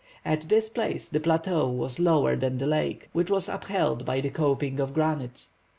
At this place the plateau was lower than the lake, which was upheld by the coping of granite.